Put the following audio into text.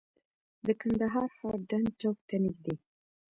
د کندهار ښار ډنډ چوک ته نږدې.